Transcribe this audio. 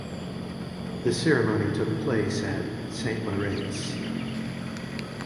The ceremony took place at Saint Moriz.